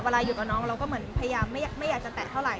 อยู่กับน้องเราก็เหมือนพยายามไม่อยากจะแตะเท่าไห